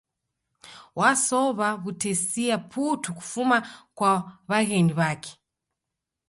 Wasowa wu'tesia putu kufuma kwa wa'ghenyi wake